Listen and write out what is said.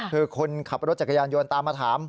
คือคนขับรถจักรยานยนต์ตามมาถาม